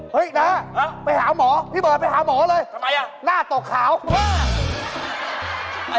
เฮ่ยน้าไปหาหมอพี่เบิร์ดไปหาหมอเลยหน้าตกขาวว้าว